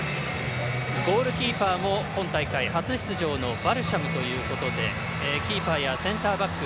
ゴールキーパーも今大会、初出場のバルシャムということでキーパーやセンターバック